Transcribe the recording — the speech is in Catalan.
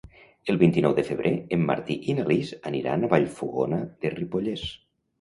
El vint-i-nou de febrer en Martí i na Lis aniran a Vallfogona de Ripollès.